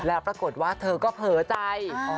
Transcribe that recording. แล้วปรากฏว่าเธอก็เผลอใจ